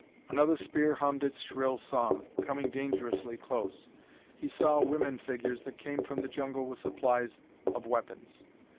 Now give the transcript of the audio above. Another spear hummed its shrill song, coming dangerously close. He saw women figures that came from the jungle with supplies of weapons.